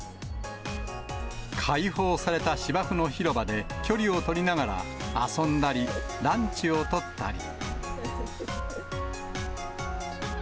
開放された芝生の広場で、距離を取りながら、遊んだり、ランチをとったり。